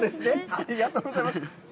ありがとうございます。